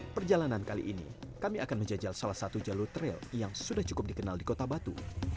perjalanan kali ini kami akan menjajal salah satu jalur trail yang sudah cukup dikenal di kota batu